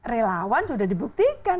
relawan sudah dibuktikan